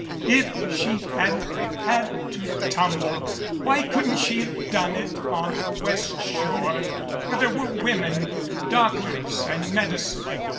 If she had had to tumble why couldn't she have done it on the West shore where there were women, doctors and medicines